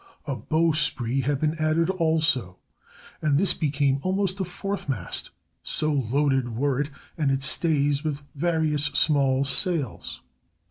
A bowsprit had been added, also, and this became almost a fourth mast, so loaded were it and its stays with various small sails.